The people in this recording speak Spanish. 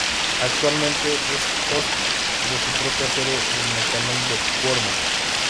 Actualmente es host de su propia serie en el canal El Gourmet.